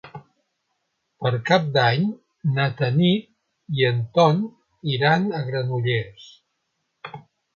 Per Cap d'Any na Tanit i en Ton iran a Granollers.